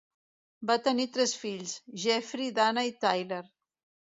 Van tenir tres fills: Jeffrey, Dana i Tyler.